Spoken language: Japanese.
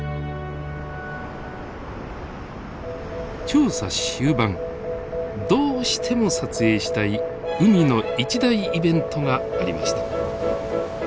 調査終盤どうしても撮影したい海の一大イベントがありました。